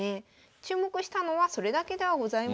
注目したのはそれだけではございません。